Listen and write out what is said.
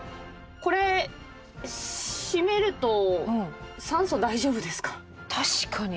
これ閉めると酸素大丈夫ですか？